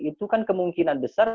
itu kan kemungkinan besar